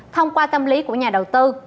thông qua tâm lý của nhà đầu tư